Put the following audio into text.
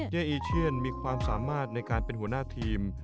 เออีเชียนมีความสามารถในการเป็นหัวหน้าทีม